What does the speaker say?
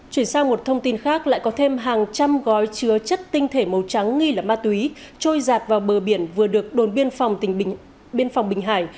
chuyển sang một thông tin khác lại có thêm hàng trăm gói chứa chất tinh thể màu trắng nghi là ma túy trôi giạt vào bờ biển vừa được đồn biên phòng bình hải